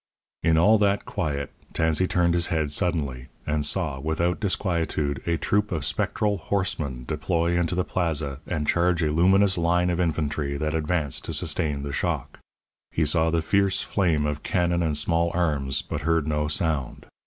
In all that quiet Tansey turned his head suddenly, and saw, without disquietude, a troop of spectral horsemen deploy into the Plaza and charge a luminous line of infantry that advanced to sustain the shock. He saw the fierce flame of cannon and small arms, but heard no sound.